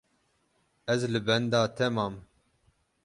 Ez li benda te mam.